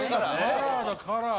カラーだカラー。